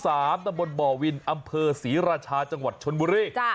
ตำบลบ่อวินอำเภอศรีราชาจังหวัดชนบุรี